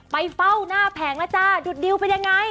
ไปเฝ้าหน้าแผงแล้วจ้าดุดดิวเป็นยังไง